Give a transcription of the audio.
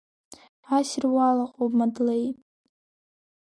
Ассир уалаҟоуп, Мадлеи!